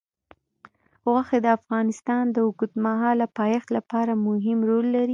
غوښې د افغانستان د اوږدمهاله پایښت لپاره مهم رول لري.